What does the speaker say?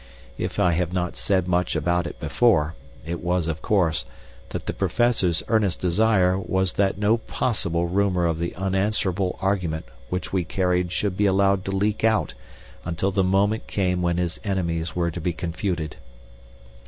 If I have not said much about it before, it was, of course, that the Professor's earnest desire was that no possible rumor of the unanswerable argument which we carried should be allowed to leak out until the moment came when his enemies were to be confuted.